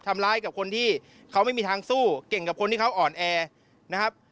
ทำร้ายกับคนที่เขาไม่มีทางสู้เก่งกับคนที่เขาอ่อนแอนะครับ